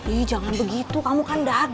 ih jangan begitu kamu kan dagang